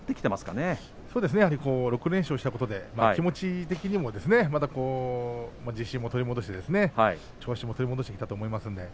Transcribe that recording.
６連勝したことで気持ち的にも自信を取り戻して調子も取り戻してきたと思います。